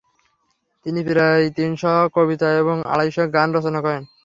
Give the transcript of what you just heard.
তিনি প্রায় তিনশ'কবিতা এবং আড়াইশ'গান রচনা করেন ।